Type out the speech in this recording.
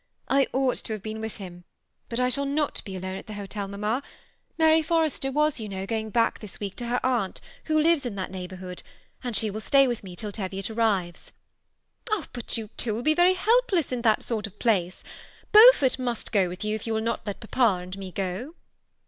"I ought to have been with him; but I shall not be alone at the hotel, mamma. Mary For rester was, you know, going back this week to her aunt, who lives in that neighborhood, and she will stay with me till Teviot arrives." " But you two will be very helpless in that sort of place ; Beaufort must go with you if you will not let papa and me go."